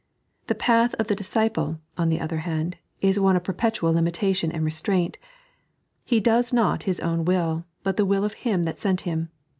The path of the dis ciple, on the other hand, is one of perpetual limitation and restraint. He does not lus own will, but the will of Him that sent him.